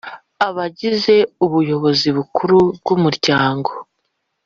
Abagize Ubuyobozi Bukuru bwumuryango